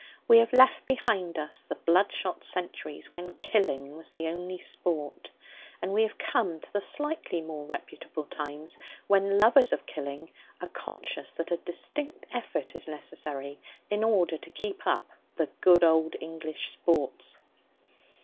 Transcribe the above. We have left behind us the bloodshot centuries when killing was the only sport, and we have come to the slightly more reputable times when lovers of killing are conscious that a distinct effort is necessary in order to keep up 'the good old English sports.'